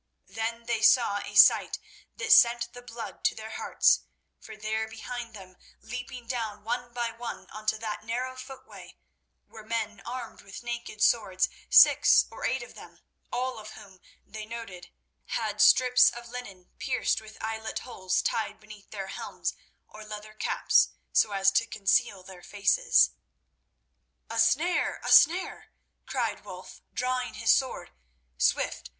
Then they saw a sight that sent the blood to their hearts, for there behind them, leaping down one by one on to that narrow footway, were men armed with naked swords, six or eight of them, all of whom, they noted, had strips of linen pierced with eyelet holes tied beneath their helms or leather caps, so as to conceal their faces. "A snare! a snare!" cried Wulf, drawing his sword. "Swift!